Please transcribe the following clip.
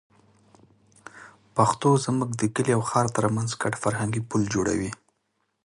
پښتو زموږ د کلي او ښار تر منځ ګډ فرهنګي پُل جوړوي.